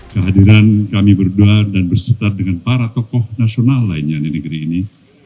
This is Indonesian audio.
kehadiran kami berdua dan berserta dengan para tokoh nasional lainnya di negeri ini